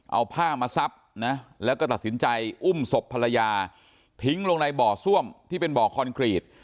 เอาผ้ามาซับนะแล้วก็ตัดสินใจอุ้มศพภรรยาทิ้งลงในบ่อซ่วมที่เป็นบ่อคอนกรีต